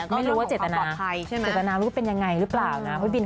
ไม่รู้ว่าเจตนาเป็นยังไงรูปล่าวนะ